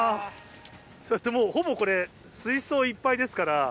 もうほぼこれ水槽いっぱいですから。